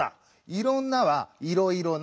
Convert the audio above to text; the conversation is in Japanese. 「いろんな」は「いろいろな」。